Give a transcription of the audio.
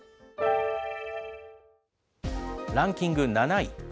ランキング７位。